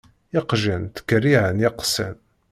Iqjan ttkerriεen iɣsan.